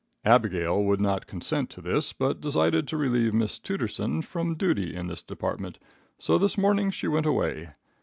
Abigail would not consent to this, but decided to relieve Miss Tooterson from duty in this department, so this morning she went away.